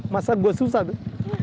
masa gue susah tuh